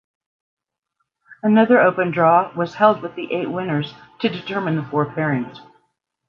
Another open draw was held with the eight winners to determine the four pairings.